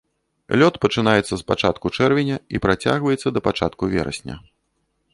Лёт пачынаецца з пачатку чэрвеня і працягваецца да пачатку верасня.